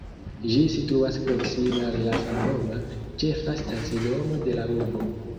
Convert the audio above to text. Ĝi situas proksime al la samnoma, ĉefa stacidomo de la urbo.